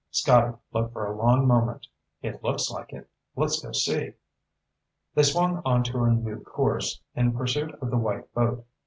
Scotty looked for a long moment. "It looks like it. Let's go see." They swung onto a new course, in pursuit of the white boat.